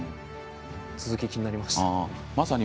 続きが気になりました。